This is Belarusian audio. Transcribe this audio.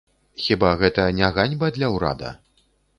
Хіба гэта не ганьба для ўрада?